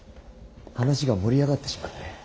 話が盛り上がってしまって。